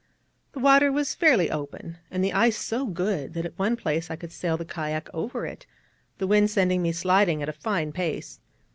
The water was fairly open, and the ice so good, that at one place I could sail the kayak over it, the wind sending me sliding at a fine pace.